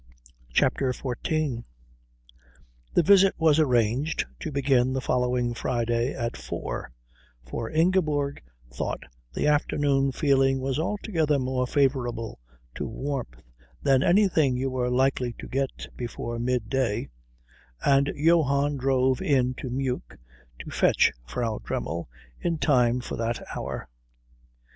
CHAPTER XIV The visit was arranged to begin the following Friday at four, for Ingeborg thought the afternoon feeling was altogether more favourable to warmth than anything you were likely to get before midday, and Johann drove in to Meuk to fetch Frau Dremmel in time for that hour.